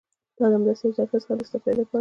دا د همداسې یو ظرفیت څخه د استفادې لپاره و.